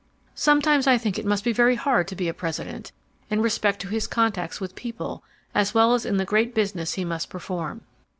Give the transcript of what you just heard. "Sometimes I think it must be very hard to be a President, in respect to his contacts with people as well as in the great business he must perform.